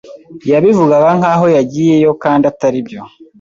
Yabivugaga nkaho yagiyeyo kandi ataribyo